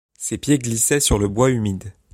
Ses pieds glissaient sur le bois humide.